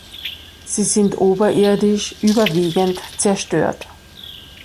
Sie sind oberirdisch überwiegend zerstört.